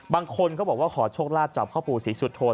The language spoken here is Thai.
บางคนก็บอกว่าขอโชคลาดจอบข้าวปู่ศรีสุทธน